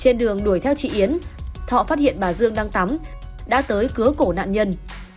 trên đường đuổi theo chị yến thọ phát hiện bà dương đang tắm đã tới cứa cổ nạn nhân